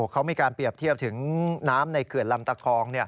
เขามีการเปรียบเทียบถึงน้ำในเขื่อนลำตะคอง